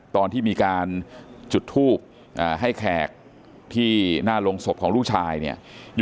ตอนที่มีการจุดทูบให้แขกที่หน้าโรงศพของลูกชายเนี่ย